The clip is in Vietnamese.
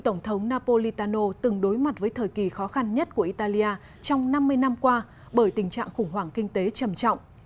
tổng thống napolitano từng đối mặt với thời kỳ khó khăn nhất của italia trong năm mươi năm qua bởi tình trạng khủng hoảng kinh tế trầm trọng